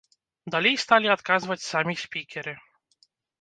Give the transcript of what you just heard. Далей сталі адказваць самі спікеры.